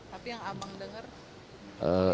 tapi yang amang denger